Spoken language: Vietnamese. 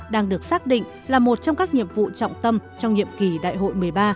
đang được xác định là một trong các nhiệm vụ trọng tâm trong nhiệm kỳ đại hội một mươi ba